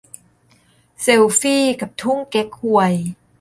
เซลฟี่กับทุ่งเก๊กฮวย